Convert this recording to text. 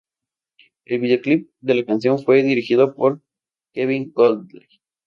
El videoclip de la canción fue dirigido por Kevin Godley.